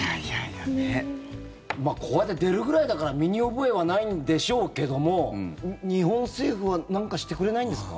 こうやって出るくらいだから身に覚えはないんでしょうけども日本政府はなんかしてくれないんですか？